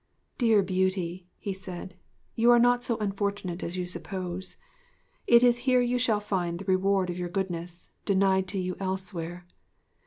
'Dear Beauty,' he said, 'you are not so unfortunate as you suppose. It is here you shall find the reward of your goodness, denied to you elsewhere.